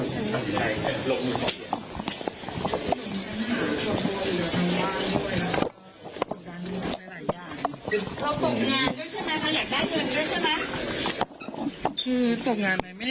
พี่ขอขึ้นหน่อยครับ